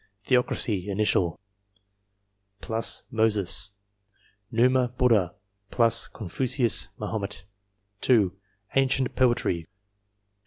Theocracy f initial, fMosES, Numa, Buddha, t Confucius, Mahomet. 2. Ancient poetry